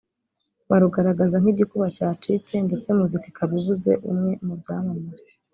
barugaragaza nk’igikuba cyacitse ndetse muzika ikaba ibuze umwe mu byamamare